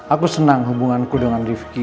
aku senang hubunganku dengan rifki